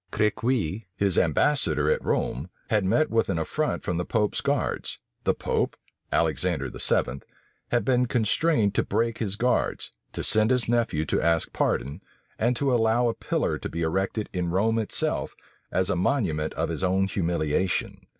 Crequi, his ambassador at Rome, had met with an affront from the pope's guards: the pope, Alexander VII., had been constrained to break his guards, to send his nephew to ask pardon, and to allow a pillar to be erected in Rome itself, as a monument of his own humiliation.